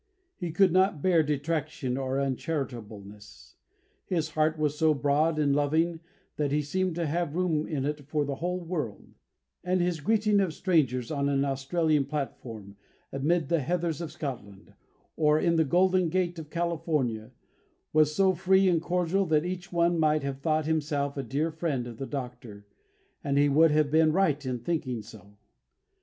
He could not bear detraction or uncharitableness. His heart was so broad and loving that he seemed to have room in it for the whole world; and his greeting of strangers on an Australian platform, amid the heathers of Scotland, or in the Golden Gate of California, was so free and cordial that each one might have thought himself a dear friend of the Doctor, and he would have been right in thinking so.